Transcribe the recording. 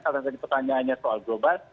karena tadi pertanyaannya soal global